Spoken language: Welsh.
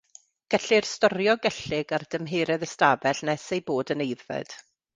Gellir storio gellyg ar dymheredd ystafell nes eu bod yn aeddfed.